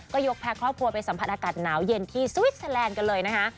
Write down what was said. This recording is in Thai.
ก็ยกพาครอบครัวไปสัมผัสอากาศหนาวเย็นที่สวิสเตอร์แลนด์กันเลยนะคะ